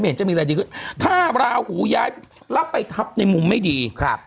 ไม่เห็นจะมีอะไรดีขึ้นถ้าเวลาเอาหูย้ายรับไปทับในมุมไม่ดี